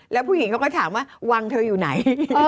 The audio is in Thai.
แล้วผู้หญิงเขาก็ถามว่าวังเธออยู่ไหน